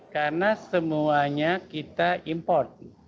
karena semuanya kita impor